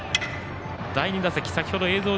第２打席。